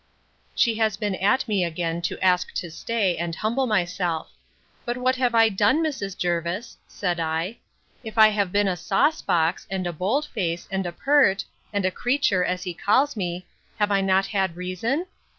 She has been at me again to ask to stay, and humble myself. But what have I done, Mrs. Jervis? said I: If I have been a sauce box, and a bold face, and a pert, and a creature, as he calls me, have I not had reason?